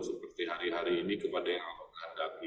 seperti hari hari ini kepada yang allah kehendaki